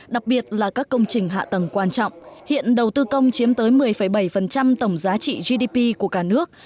đặc biệt là các công trình hạ tầng quan trọng hiện đầu tư công chiếm tới một mươi bảy tổng giá trị gdp của cả nước